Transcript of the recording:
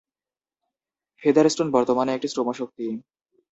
ফেদারস্টোন বর্তমানে একটি শ্রমশক্তি।